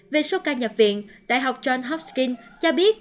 về số ca nhập viện đại học john hopsking cho biết